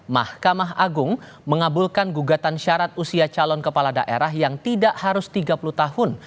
mahkamah agung mengabulkan gugatan syarat usia calon kepala daerah yang tidak harus tiga puluh tahun